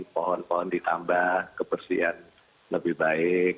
pohon pohon ditambah kebersihan lebih baik